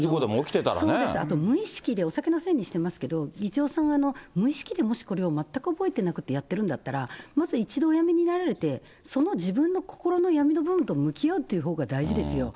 そうです、あと無意識でお酒のせいにしてますけど、議長さんが無意識でもしこれを全く覚えてなくてやってるんだったら、まず一度お辞めになられて、その自分の心の闇の部分と向き合うというほうが大事ですよ。